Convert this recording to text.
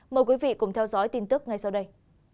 mời quý vị cùng theo dõi tin tức ngay sau đây